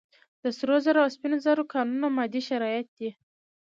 د سرو زرو او سپینو زرو کانونه مادي شرایط دي.